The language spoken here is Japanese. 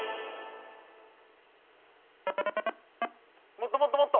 もっともっともっと！